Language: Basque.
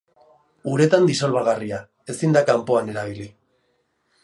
Uretan disolbagarria, ezin da kanpoan erabili.